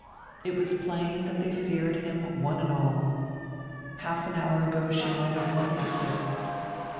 It was plain that they feared him, one and all. Half an hour ago she might have wondered at this.